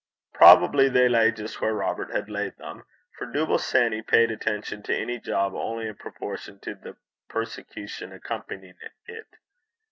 Probably they lay just where Robert had laid them, for Dooble Sanny paid attention to any job only in proportion to the persecution accompanying it.